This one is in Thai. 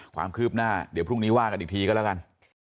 ความคืบหน้าเดี๋ยวพรุ่งนี้ว่ากันอีกทีก็แล้วกัน